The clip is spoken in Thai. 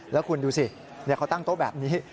แล้วคุณดูสิเขาตั้งโต๊ะแบบนี้